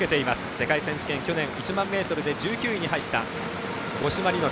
世界選手権、去年１００００ｍで１９位に入った五島莉乃。